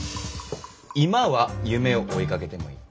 今は夢を追いかけてもいい。